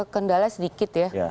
kendala sedikit ya